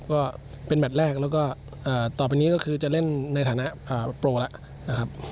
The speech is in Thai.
ก็เป็นแมทแรกแล้วก็ต่อไปนี้ก็คือจะเล่นในฐานะโปรแล้วนะครับ